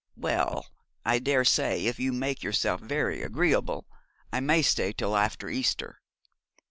'Well, I dare say, if you make yourself very agreeable, I may stay till after Easter.'